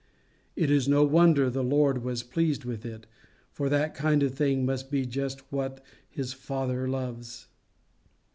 It is no wonder the Lord was pleased with it, for that kind of thing must be just what his Father loves.